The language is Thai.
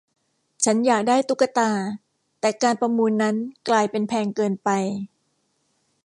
ฉันอยากได้ตุ๊กตา แต่การประมูลนั้นกลายเป็นแพงเกินไป